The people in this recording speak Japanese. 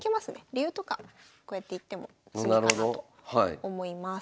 竜とかこうやって行っても詰みかなと思います。